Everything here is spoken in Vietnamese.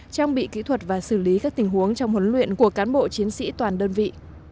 trang bị kỹ thuật và xử lý các tình huống trong huấn luyện của cán bộ chiến sĩ toàn đơn vị